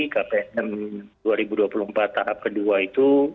kpn dua ribu dua puluh empat tahap kedua itu